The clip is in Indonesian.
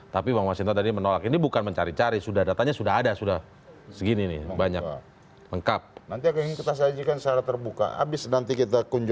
tapi pak mas hintam tadi menolak ini bukan mencari cari datanya sudah ada sudah segini nih